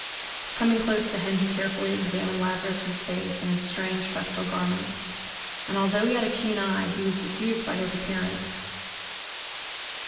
Coming close to him, he carefully examined Lazarus' face and his strange festal garments. And although he had a keen eye, he was deceived by his appearance.